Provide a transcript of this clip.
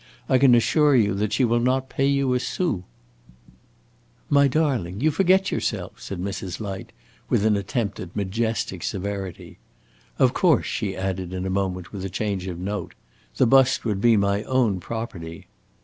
I can assure you that she will not pay you a sou." "My darling, you forget yourself," said Mrs. Light, with an attempt at majestic severity. "Of course," she added, in a moment, with a change of note, "the bust would be my own property."